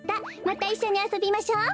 またいっしょにあそびましょう！